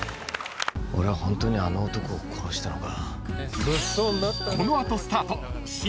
「俺はホントにあの男を殺したのか？」